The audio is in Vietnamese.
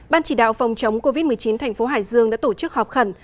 ban chỉ đạo phòng chống covid một mươi chín thành phố hải dương đã tổ chức họp khẩn